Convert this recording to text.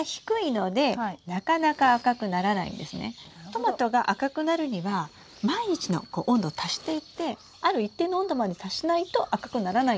トマトが赤くなるには毎日の温度を足していってある一定の温度まで達しないと赤くならないんですよ。